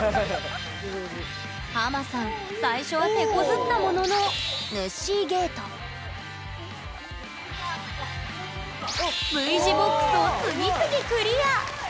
ハマさん最初は手こずったもののぬっしーゲートＶ字ボックスを次々クリア！